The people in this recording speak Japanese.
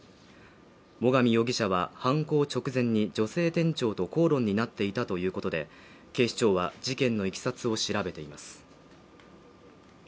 最上容疑者は犯行直前に女性店長と口論になっていたということで、警視庁は事件の経緯を調べています。